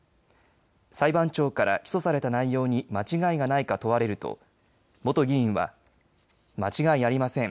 裁判長から起訴された内容に間違いがないか問われると元議員は間違いありません。